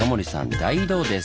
大移動です。